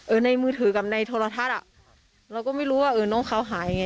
ในมือถือกับในโทรทัศน์อ่ะเราก็ไม่รู้ว่าเออน้องเขาหายไง